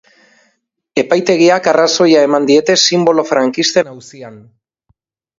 Epaitegiak arrazoia eman diete sinbolo frankisten auzian.